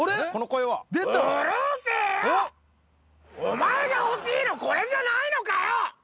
お前が欲しいのこれじゃないのかよ！